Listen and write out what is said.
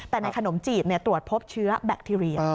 แต่ในขนมจีบตรวจพบเชื้อแบคทีเรีย